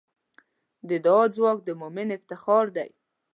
د دعا ځواک د مؤمن افتخار دی.